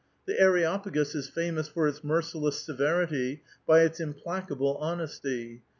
The Areopagos is famous for its merciless severity, by its implacable honesty.